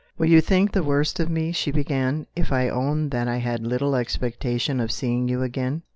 "Will you think the worse of me," she began, "if I own that I had little expectation of seeing you again?"